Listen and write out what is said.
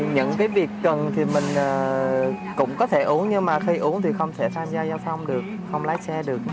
những cái việc cần thì mình cũng có thể uống nhưng mà khi uống thì không thể tham gia giao thông được không lái xe được